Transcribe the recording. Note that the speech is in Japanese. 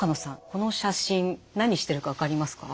この写真何してるか分かりますか？